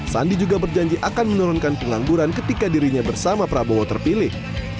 sandi juga berjanji akan menurunkan pengangguran ketika dirinya bersama prabowo terpilih